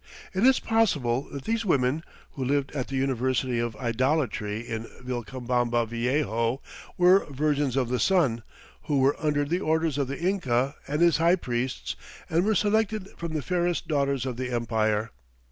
It is possible that these women, who lived at the "University of Idolatry" in "Vilcabamba Viejo," were "Virgins of the Sun," who were under the orders of the Inca and his high priests and were selected from the fairest daughters of the empire.